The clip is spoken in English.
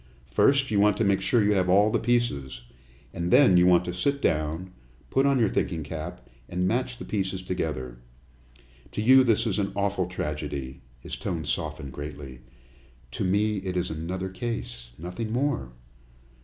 First, you want to make sure you have all the pieces, and then you want to sit down, put on your thinking cap, and match the pieces together. To you this is an awful tragedy," his tone softened greatly, "to me it is another case, nothing more.